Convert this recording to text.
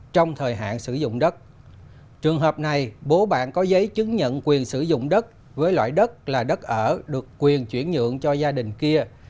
trong thời hạn sử dụng đất trường hợp này bố bạn có giấy chứng nhận quyền sử dụng đất với loại đất là đất ở được quyền chuyển nhượng cho gia đình kia